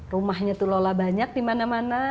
rumahnya tuh lola banyak dimana mana